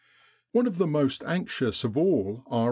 One of the most anxious of all R.